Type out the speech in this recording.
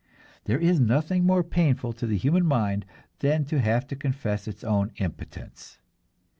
There is nothing more painful to the human mind than to have to confess its own impotence.